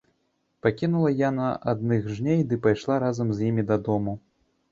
Пакінула яна адных жней ды пайшла разам з імі дадому.